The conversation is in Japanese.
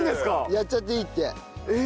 やっちゃっていいって。